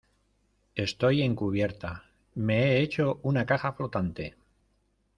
estoy en cubierta. me he hecho una caja flotante .